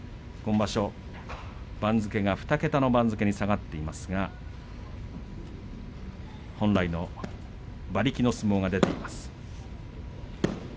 今場所、番付が２桁の番付に下がっていますが本来の馬力の相撲が出ています。